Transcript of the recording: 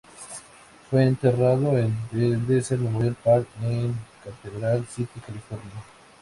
Fue enterrado en el Desert Memorial Park, en Cathedral City, California.